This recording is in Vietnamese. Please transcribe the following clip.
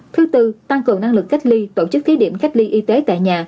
thứ tư tăng cường năng lực cách ly tổ chức thí điểm cách ly y tế tại nhà